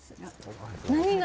何が？